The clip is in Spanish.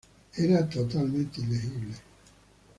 Era totalmente ilegible.